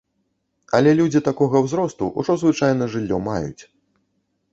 Але людзі такога ўзросту ўжо звычайна жыллё маюць.